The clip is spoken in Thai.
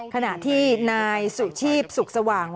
ขณะที่นายสุชีพสุขสว่าง